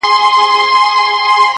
بې پروا له شنه اسمانه!!